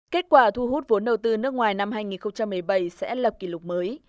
kết quả thu hút vốn đầu tư nước ngoài năm hai nghìn một mươi bảy sẽ lập kỷ lục mới